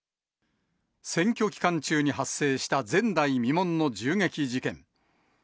選挙期間中に発生した前代未聞の銃撃事件。